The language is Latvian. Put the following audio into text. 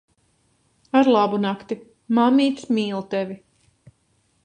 Arlabunakti. Mammīte mīl tevi.